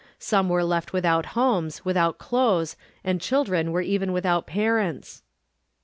Some were left without homes, without clothes, and children were even without parents.